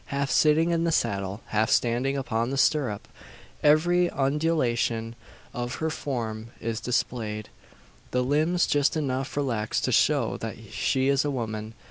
Half sitting in the saddle, half standing upon the stirrup, every undulation of her form is displayed the limbs just enough relaxed to show that she is a woman.